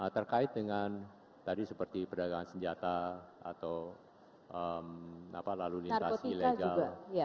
terkait dengan tadi seperti perdagangan senjata atau lalu lintasi legal